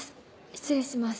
失礼します。